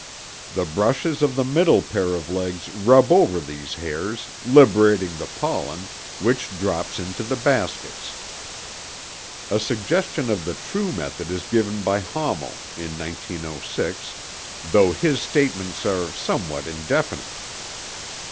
The brushes of the middle pair of legs rub over these hairs, liberating the pollen, which drops into the baskets. A suggestion of the true method is given by Hommell (1906), though his statements are somewhat indefinite.